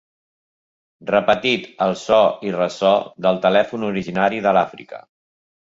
Repetit, el so i ressò del telèfon originari de l'Àfrica.